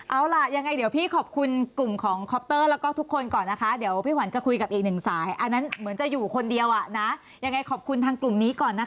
เอาล่ะยังไงเดี๋ยวพี่ขอบคุณกลุ่มของคอปเตอร์แล้วก็ทุกคนก่อนนะคะเดี๋ยวพี่ขวัญจะคุยกับอีกหนึ่งสายอันนั้นเหมือนจะอยู่คนเดียวอ่ะนะยังไงขอบคุณทางกลุ่มนี้ก่อนนะคะ